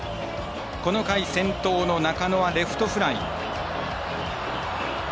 この回、先頭の中野はレフトフライ。